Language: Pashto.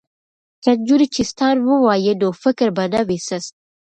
که نجونې چیستان ووايي نو فکر به نه وي سست.